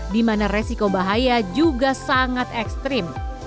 dimana resiko bahaya juga sangat ekstrim